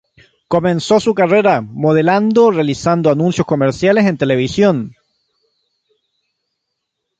Comenzó su carrera modelando realizando anuncios comerciales en televisión.